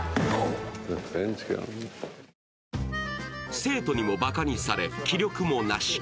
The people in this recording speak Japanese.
生徒にもばかにされ、気力もなし。